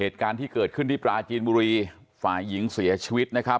เหตุการณ์ที่เกิดขึ้นที่ปลาจีนบุรีฝ่ายหญิงเสียชีวิตนะครับ